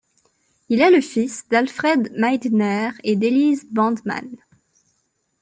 Il est le fils d'Alfred Meidner et d'Elise Bandmann.